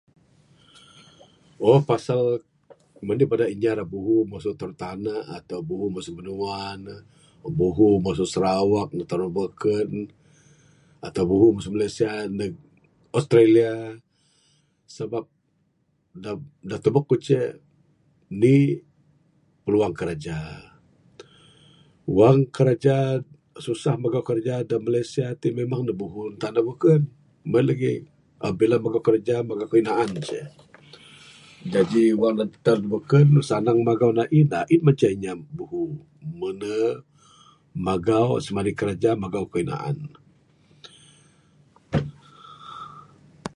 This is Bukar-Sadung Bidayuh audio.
uhh Pasal manih bada inya da buhu masu tarun tanak atau buhu masu binua ne, buhu masu Sarawak ndug tarun beken. Atau buhu masu Malaysia ndug Australia. Sebab, da, da tebuk akuk ce, indi', peluang kerja. Wang kereja susah magau kerja da Malaysia tik, memang ne buhu da tempat bekun. Mung en lagi, bila magau kereja, magau kayuh naan ce. Jaji wang tempat bekun sanang magau na'ihda'in mah ceh nya buhu. Menu' magau kerja, semadi magau kayuh naan.